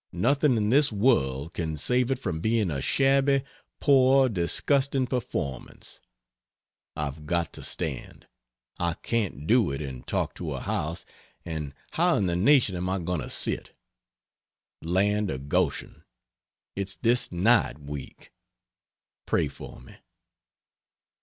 Nothing in this world can save it from being a shabby, poor disgusting performance. I've got to stand; I can't do it and talk to a house, and how in the nation am I going to sit? Land of Goshen, it's this night week! Pray for me."